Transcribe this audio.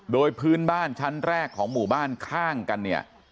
โดยพื้นบ้านชั้นแรกของหมู่บ้านข้างกันเนี่ย